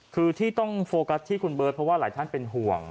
คือที่ต้องโฟกัสที่คุณเบิร์ตเพราะว่าหลายท่านเป็นห่วง